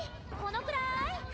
このくらい？